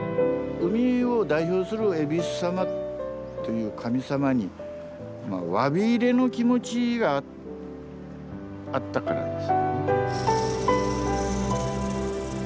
海を代表するえびす様という神様にわびいれの気持ちがあったからです。